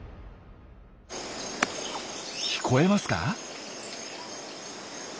聞こえますか？